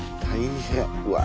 うわ！